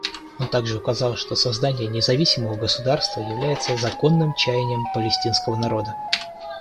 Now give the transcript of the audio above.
Он также указал, что создание независимого государства является законным чаянием палестинского народа.